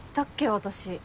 私。